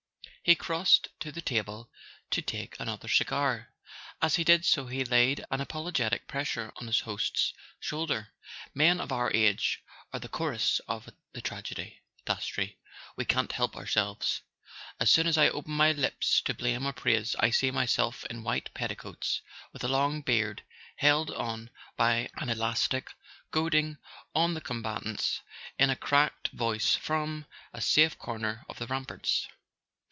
He crossed to the table to take another cigar. As he did so he laid an apologetic pressure on his host's shoulder. "Men of our age are the chorus of the tragedy, Dastrey; we can't help ourselves. As soon as I open my lips to blame or praise I see myself in white petticoats, with a long beard held on by an elastic, goading on the combatants in a cracked voice from a safe corner of the ramparts.